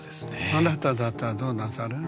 あなただったらどうなさる？